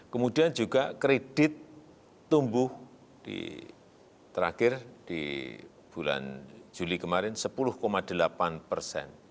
kemudian juga kredit tumbuh di terakhir di bulan juli kemarin sepuluh delapan persen